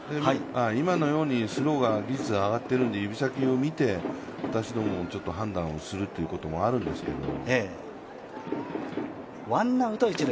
今のように率が上がっているので、指先を見て、私どもも判断をするということがあるんですけど。